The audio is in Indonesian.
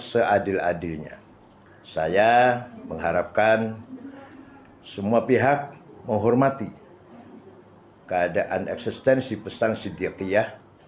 seadil adilnya saya mengharapkan semua pihak menghormati keadaan eksistensi pesan sidya kiyah